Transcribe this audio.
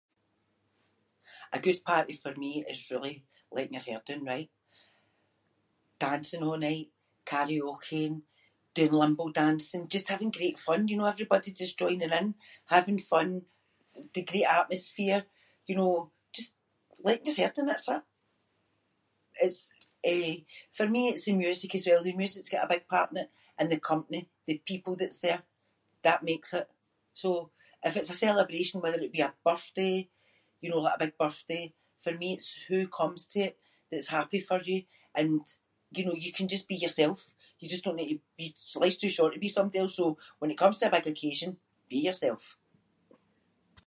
A good party for me is really letting your hair doon, right. Dancing a' night, karaokeing, doing limbo dancing – just having great fun, you know, everybody just joining in. Having fun, the great atmosphere, you know, just letting your hair doon - that’s it. It’s, eh- for me it’s the music as well. The music’s got a big part in it, and the company, the people that’s there - that makes it. So, if it’s a celebration whether it be a birthday, you know, like a big birthday, for me it’s who comes to it that’s happy for you and, you know, you can just be yourself. You just don’t need to- life’s too short to be somebody else, so when it comes to a big occasion – be yourself.